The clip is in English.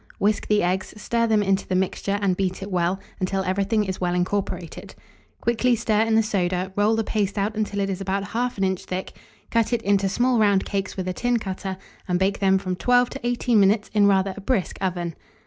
Whisk the eggs, stir them into the mixture, and beat it well, until everything is well incorporated. Quickly stir in the soda, roll the paste out until it is about 1/2 inch thick, cut it into small round cakes with a tin cutter, and bake them from 12 to 18 minutes in rather a brisk oven.